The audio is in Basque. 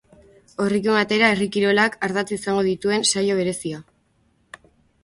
Horrekin batera, herri kirolak ardatz izango dituen saio berezia.